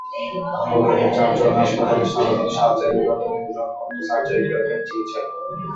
আহতদের চারজন হাসপাতালের সাধারণ সার্জারি বিভাগে এবং দুজন অর্থো-সার্জারি বিভাগে চিকিৎসাধীন।